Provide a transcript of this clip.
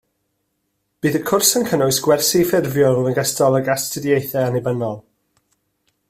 Bydd y cwrs yn cynnwys gwersi ffurfiol yn ogystal ag astudiaethau annibynnol